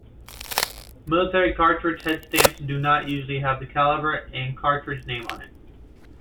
Military cartridge headstamps do not usually have the caliber and cartridge name on it.